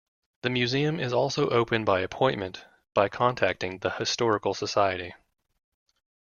The museum is also open by appointment by contacting the Historical Society.